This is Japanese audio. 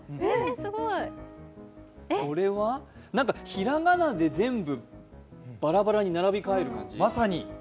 ひらがなで全部バラバラに並び替える感じ？